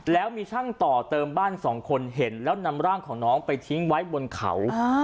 แล้วมีช่างต่อเติมบ้านสองคนเห็นแล้วนำร่างของน้องไปทิ้งไว้บนเขา